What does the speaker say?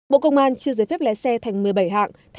bộ công an chưa giới phép lé xe thành một mươi bảy hạng